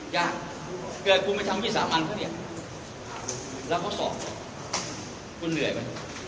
เกิดคุณไปทำวิสามันเขาเนี่ยแล้วเขาสอบคุณเหนื่อยไหม